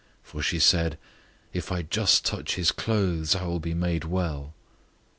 005:028 For she said, "If I just touch his clothes, I will be made well."